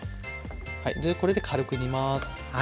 でこれで軽く煮ます。